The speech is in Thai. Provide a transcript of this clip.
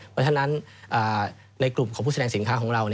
เพราะฉะนั้นในกลุ่มของผู้แสดงสินค้าของเรา